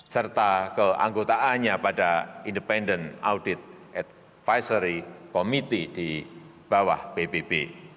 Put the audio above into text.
serta keanggotaannya pada independent audit advisory committee di bawah pbb